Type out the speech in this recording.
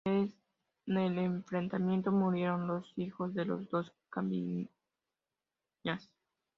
En el enfrentamiento murieron los hijos de los dos cabecillas.